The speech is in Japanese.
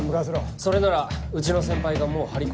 それならうちの先輩がもう張り込んでます。